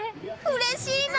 うれしいな。